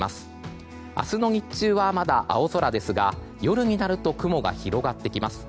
明日の日中はまだ青空ですが夜になると雲が広がってきます。